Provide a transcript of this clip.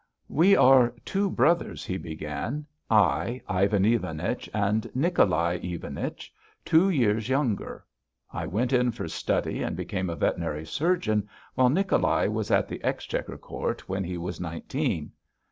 "We are two brothers," he began, "I, Ivan Ivanich, and Nicholai Ivanich, two years younger. I went in for study and became a veterinary surgeon, while Nicholai was at the Exchequer Court when he was nineteen.